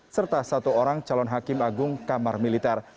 serta satu orang calon hakim agung kamar militer